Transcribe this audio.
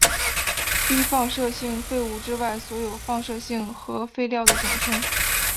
低放射性废物之外所有放射性核废料的总称。